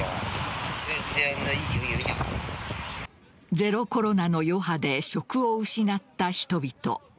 ゼロコロナの余波で職を失った人々。